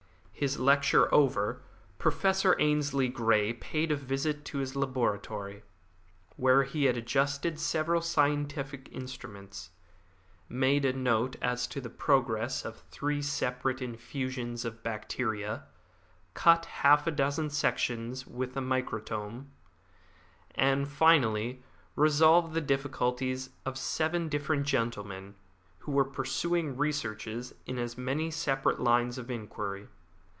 His lecture over, Professor Ainslie Grey paid a visit to his laboratory, where he adjusted several scientific instruments, made a note as to the progress of three separate infusions of bacteria, cut half a dozen sections with a microtome, and finally resolved the difficulties of seven different gentlemen, who were pursuing researches in as many separate lines of inquiry.